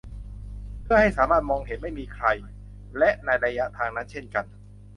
เพื่อให้สามารถมองเห็นไม่มีใคร ! และในระยะทางนั้นเช่นกัน !